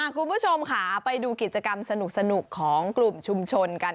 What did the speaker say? คุณผู้ชมค่ะไปดูกิจกรรมสนุกของกลุ่มชุมชนกัน